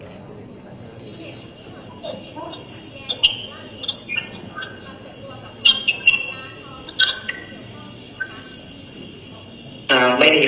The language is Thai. แล้วคุณมือเล็กที่ว่าตายอยู่นี้